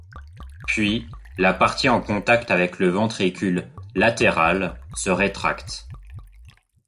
Puis la partie en contact avec le ventricule latéral se rétracte.